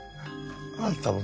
あんたも。